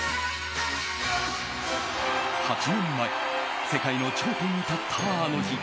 ８年前世界の頂点に立ったあの日。